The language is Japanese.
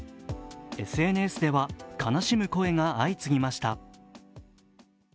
ＳＮＳでは悲しむ声が相次ぎました。